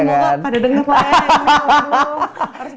semoga pada denger lain